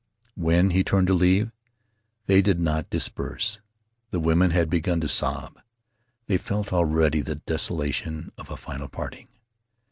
When he turned to leave they did not disperse; the women had begun to sob — they felt already the desolation of a final parting.